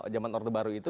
zaman orde baru itu